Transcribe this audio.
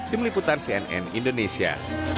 tim liputan cnn indonesia